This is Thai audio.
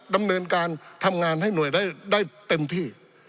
ดำเนินการทำงานให้หน่วยได้เต็มที่